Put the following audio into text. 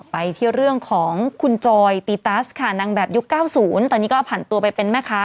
ไปที่เรื่องของคุณจอยตีตัสค่ะนางแบบยุค๙๐ตอนนี้ก็ผ่านตัวไปเป็นแม่ค้า